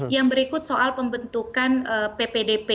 yang berikut soal pembentukan ppdp